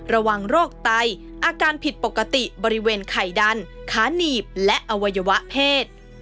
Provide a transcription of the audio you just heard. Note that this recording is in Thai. ระวังโรคไตอาการผิดปกติบริเวณไข่ดันขาหนีบและอวัยวะเพศ